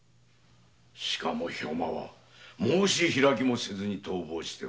しかも兵馬は申し開きもせず逃亡した。